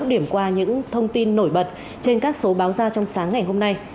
điểm qua những thông tin nổi bật trên các số báo ra trong sáng ngày hôm nay